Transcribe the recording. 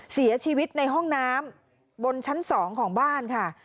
เสียชีวิตในห้องน้ำบนชั้น๒ของบ้านค่ะ